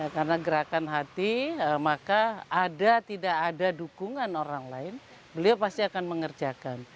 karena gerakan hati maka ada tidak ada dukungan orang lain beliau pasti akan mengerjakan